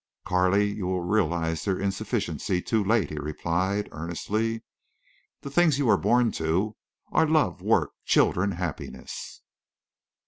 "Carley, you will realize their insufficiency too late," he replied, earnestly. "The things you were born to are love, work, children, happiness."